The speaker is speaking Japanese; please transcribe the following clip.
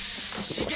刺激！